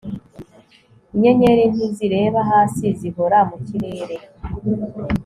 Inyenyeri ntizireba hasi zihora mukireere